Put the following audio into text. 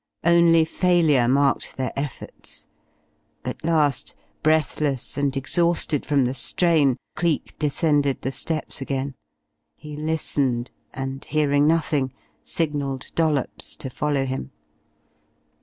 Only failure marked their efforts. At last, breathless and exhausted from the strain, Cleek descended the steps again. He listened, and, hearing nothing, signalled Dollops to follow him.